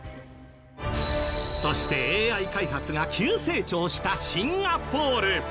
そしてＡＩ開発が急成長したシンガポール。